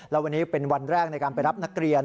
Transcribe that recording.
แล้ววันนี้เป็นวันแรกในการไปรับนักเรียน